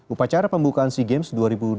upacara pembukaan sea games dua ribu dua puluh